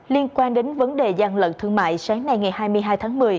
liên quan đến vấn đề gian lận thương mại sáng nay ngày hai mươi hai tháng một mươi